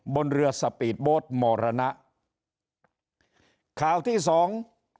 บนเรือสปีดโบ๊ทมรณะข่าวที่สอง